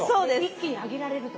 一気に揚げられると。